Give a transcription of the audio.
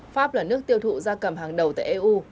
pháp là nước tiêu thụ gia cầm hàng đầu tại eu